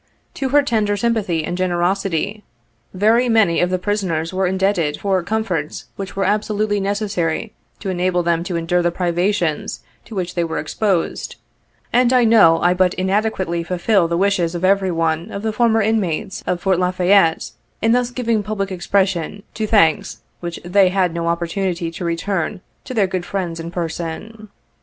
To her tender sympathy and generosity, very many of the prisoners were indebted for comforts which were absolutely necessary to enable them to endure the privations to which they were exposed, and I know I but inadequately fulfil the wishes of every one of the former inmates of Fort La Fayette, in thus giving public expression to thanks which they had no opportunity to return to their good friends in person.